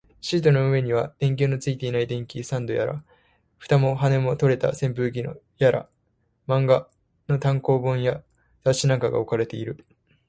シートの上には、電球のついていない電気スタンドやら、蓋も羽も取れた扇風機やら、漫画の単行本や雑誌なんかが置かれている